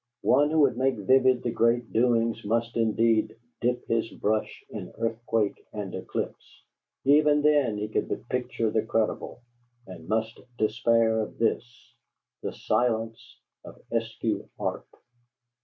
One who would make vivid the great doings must indeed "dip his brush in earthquake and eclipse"; even then he could but picture the credible, and must despair of this: the silence of Eskew Arp.